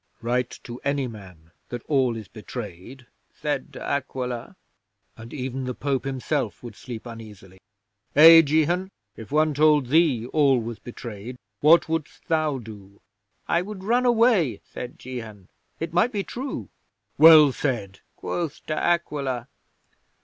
'"Write to any man that all is betrayed," said De Aquila, "and even the Pope himself would sleep uneasily. Eh, Jehan? If one told thee all was betrayed, what wouldst thou do?" '"I would run away," said Jehan. "it might be true." '"Well said," quoth De Aquila.